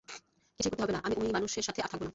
কিছুই করতে হবে না, আমি ওই মানুষের সাথে আর থাকবো না।